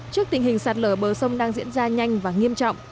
trước tình hình sạt lở bờ sông đang diễn ra nhanh và nghiêm trọng